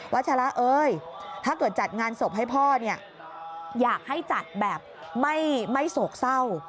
ัชละเอ้ยถ้าเกิดจัดงานศพให้พ่อเนี่ยอยากให้จัดแบบไม่โศกเศร้า